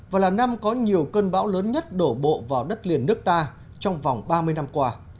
và là năm có nhiều cơn bão lớn nhất đổ bộ vào đất liền nước ta trong vòng ba mươi năm qua